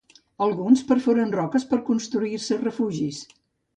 Alguns perforen roques per a construir-se refugis.